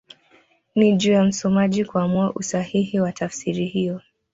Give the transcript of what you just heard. Ni juu ya msomaji kuamua usahihi wa tafsiri hiyo